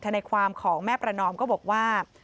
ในความของแม่ประนอมก็บอกว่า